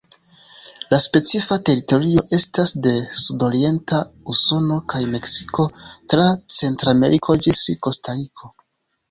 La specifa teritorio estas de sudorienta Usono kaj Meksiko tra Centrameriko ĝis Kostariko.